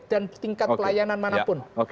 dan tingkat pelayanan manapun